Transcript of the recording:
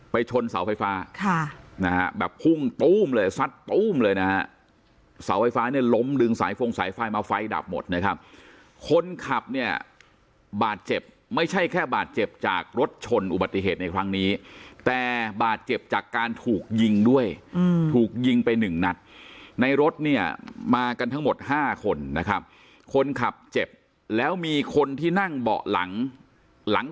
ชนเสาไฟฟ้าค่ะนะฮะแบบพุ่งตู้มเลยซัดตู้มเลยนะฮะเสาไฟฟ้าเนี่ยล้มดึงสายฟงสายไฟมาไฟดับหมดนะครับคนขับเนี่ยบาดเจ็บไม่ใช่แค่บาดเจ็บจากรถชนอุบัติเหตุในครั้งนี้แต่บาดเจ็บจากการถูกยิงด้วยถูกยิงไปหนึ่งนัดในรถเนี่ยมากันทั้งหมดห้าคนนะครับคนขับเจ็บแล้วมีคนที่นั่งเบาะหลังหลัง